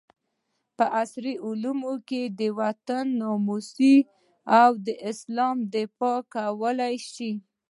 په عصري علومو د وطن ناموس او د اسلام دفاع کولي شو